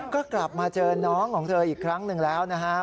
ก็กลับมาเจอน้องของเธออีกครั้งหนึ่งแล้วนะครับ